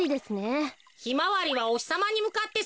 ひまわりはおひさまにむかってさくんだろ。